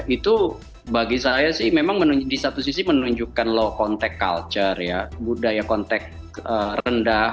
itu bagi saya sih memang di satu sisi menunjukkan low contact culture ya budaya kontak rendah